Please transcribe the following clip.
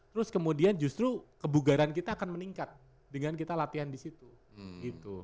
terus kemudian justru kebugaran kita akan meningkat dengan kita latihan di situ gitu